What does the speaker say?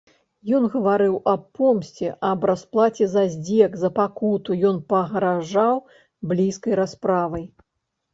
Ён гаварыў аб помсце, аб расплаце за здзек, за пакуту, ён пагражаў блізкай расправай.